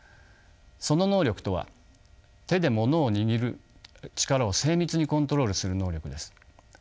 その能力とは手でものを握る力を精密にコントロールする能力です。